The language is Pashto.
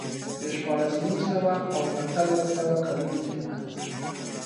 د شپاړس نیم سوه او اتلس سوه کلونو ترمنځ